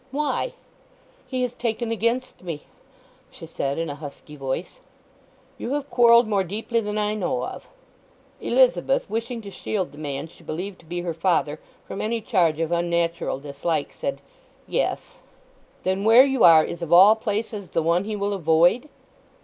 "Why?" "He has taken against me," she said in a husky voice. "You have quarreled more deeply than I know of." Elizabeth, wishing to shield the man she believed to be her father from any charge of unnatural dislike, said "Yes." "Then where you are is, of all places, the one he will avoid?"